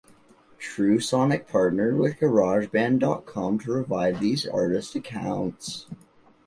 Trusonic partnered with GarageBand dot com to revive these artist accounts.